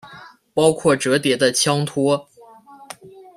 包括折叠的枪托。